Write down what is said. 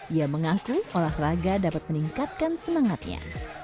ia mengaku olahraga dapat meningkatkan semangatnya